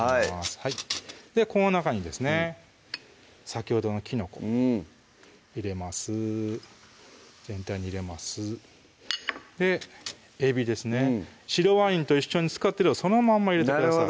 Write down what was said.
はいこの中にですね先ほどのきのこうん入れます全体に入れますえびですね白ワインと一緒につかってるそのまんま入れてください